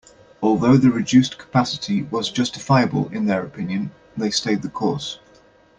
Although the reduced capacity was justifiable in their opinion, they stayed the course.